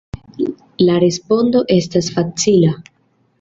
La respondo estas facila.